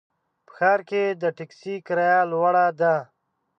په ښار کې د ټکسي کرایه لوړه ده.